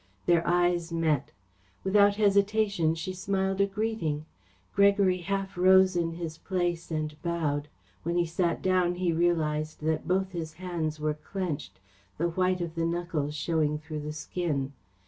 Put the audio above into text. Their eyes met. Without hesitation she smiled a greeting. Gregory half rose in his place and bowed. When he sat down he realised that both his hands were clenched, the white of the knuckles showing through the skin.